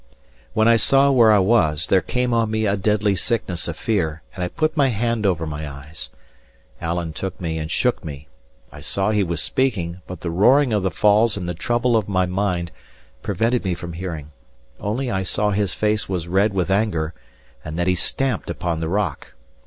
When I saw where I was, there came on me a deadly sickness of fear, and I put my hand over my eyes. Alan took me and shook me; I saw he was speaking, but the roaring of the falls and the trouble of my mind prevented me from hearing; only I saw his face was red with anger, and that he stamped upon the rock.